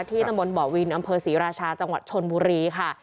ตำบลบ่อวินอำเภอศรีราชาจังหวัดชนบุรีค่ะ